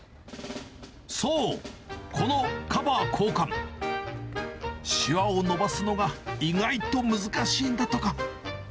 そう、このカバー交換、しわを伸ばすのが意外と難しいんだとか。